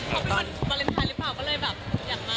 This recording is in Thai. เขาเป็นวันวาเลนไทยหรือเปล่าก็เลยแบบอยากมา